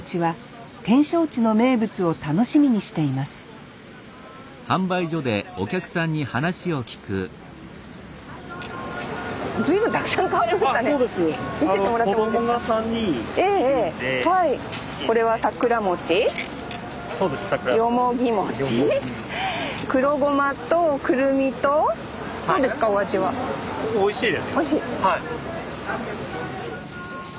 はい。